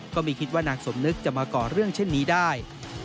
ก็ไม่คิดว่านางสมนึกจะมาก่อเรื่องเช่นนี้ได้